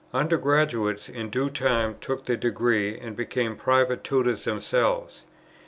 Under graduates in due time took their degree, and became private tutors themselves.